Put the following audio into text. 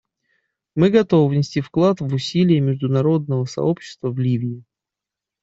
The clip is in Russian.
Мы готовы внести вклад в усилия международного сообщества в Ливии.